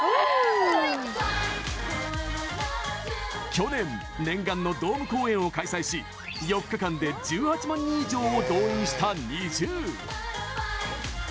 去年、念願のドーム公演を開催し、４日間で１８万人以上を動員したＮｉｚｉＵ。